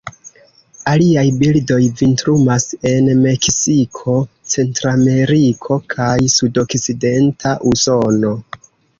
Aliaj birdoj vintrumas en Meksiko, Centrameriko, kaj sudokcidenta Usono.